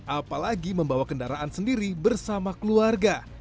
apalagi membawa kendaraan sendiri bersama keluarga